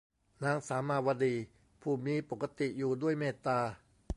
นางสามาวดี ผู้มีปกติอยู่ด้วยเมตตา